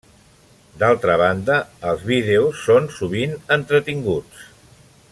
D'altra banda, els vídeos són sovint entretinguts.